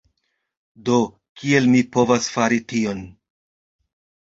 Do kiel mi povas fari tion?